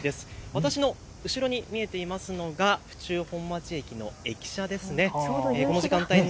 私の後ろに見えていますのが府中本町駅の駅舎です。